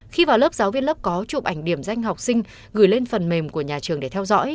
khi vào lớp giáo viên lớp có chụp ảnh điểm danh học sinh gửi lên phần mềm của nhà trường để theo dõi